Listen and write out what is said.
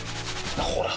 ほら！